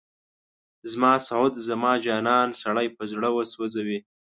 زما سعود، زما جانان، سړی په زړه وسوځي